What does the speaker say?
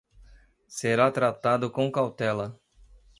Será tratado com cautela